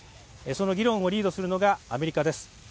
その議論をリードするのがアメリカです。